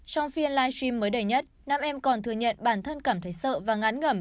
trong phiên live stream mới đầy nhất nam em còn thừa nhận bản thân cảm thấy sợ và ngán ngẩm